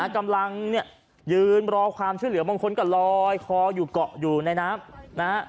กำลังยืนรอความช่วยเหลือมงคลกับร้อยคออยู่เกาะอยู่ในน้ำ